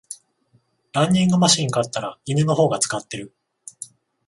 ランニングマシン買ったら犬の方が使ってる